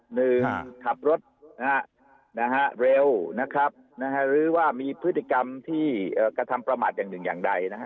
หนึ่งขับรถนะฮะเร็วนะครับหรือว่ามีพฤติกรรมที่กระทำประมาทอย่างหนึ่งอย่างใดนะฮะ